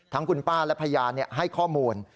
ทั้งคุณป้าและพญานเนี่ยให้ข้อมูล